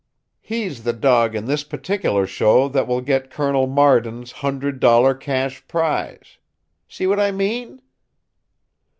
He's the dog in this particular show that will get Colonel Marden's hundred dollar cash prize. See what I mean?"